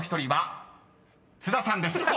［津田さんです］